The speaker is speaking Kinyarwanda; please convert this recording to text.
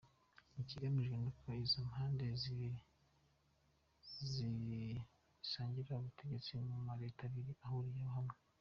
Ikigamijwe n'uko izo mpande zibiri zisangira ubutegetsi mu mareta abiri ahuriye hamwe.